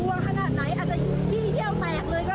คุณผู้ชมคุณผู้ชมคุณผู้ชม